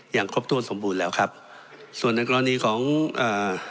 อย่างครบทวนสมบูรณ์แล้วครับส่วนในกรณีของเอ่อ